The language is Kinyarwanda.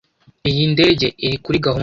Iyi ndege iri kuri gahunda?